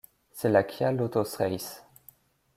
C'est la Kia Lotos Race.